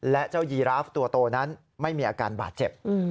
และเจ้ายีราฟตัวโตนั้นไม่มีอาการบาดเจ็บ